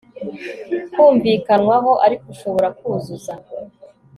kumvikanwaho Ariko ushobora kuzuza